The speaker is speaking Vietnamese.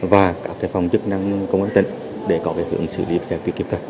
và các phòng chức năng công an tỉnh để có hướng xử lý kế tiếp theo